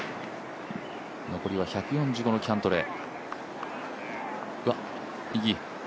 残りは１４５のキャントレー。